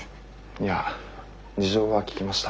いや事情は聞きました。